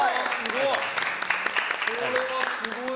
すごい！